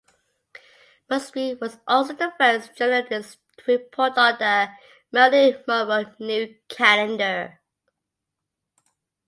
Mosby was also the first journalist to report on the Marilyn Monroe nude calendar.